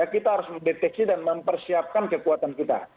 kita harus mendeteksi dan mempersiapkan kekuatan kita